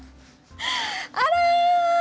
あら。